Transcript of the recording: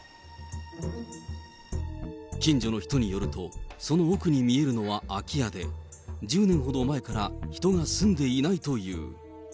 近所の人によると、その奥に見えるのは空き家で、１０年ほど前から人が住んでいないという。